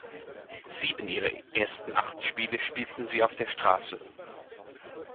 Sieben ihrer ersten acht Spiele spielten sie auf der Straße.